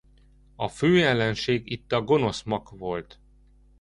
A főellenség itt a gonosz makk volt.